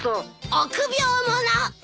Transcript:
臆病者！